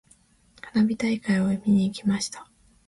花火大会を見に行きました。